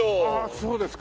そうですか。